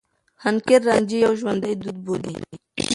حنکير رانجه يو ژوندي دود بولي.